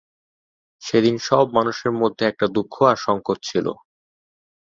সেদিন সব মানুষের মধ্যে একটা দুঃখ আর সংকোচ ছিল।